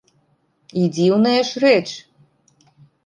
І дзіўная ж рэч.